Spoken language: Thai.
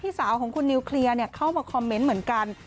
สาวของคุณนิวเคลียร์เข้ามาคอมเมนต์เหมือนกัน